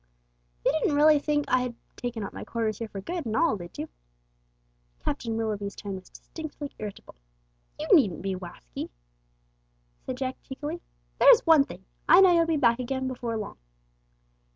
"You didn't really think I had taken up my quarters here for good and all, did you?" Captain Willoughby's tone was distinctly irritable. "You needn't be waxy," said Jack cheekily. "There's one thing! I know you'll be back again before long!"